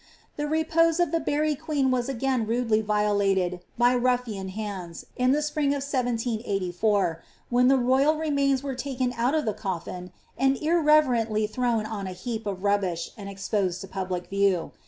The repose of the buried queen was again rudely violated by ruflian hands in the spring of 1784, when the royal remios were taken out of the coffin, and irreverently thrown on a heap of rob bish and exposed to public view.